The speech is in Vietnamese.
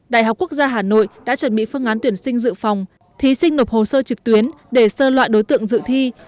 đại học quốc gia hà nội đã chuẩn bị phương án tuyển sinh dự phòng thí sinh nộp hồ sơ trực tuyến để sơ loại đối tượng dự thi